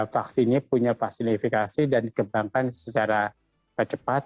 vaksinnya punya vaksinifikasi dan dikembangkan secara cepat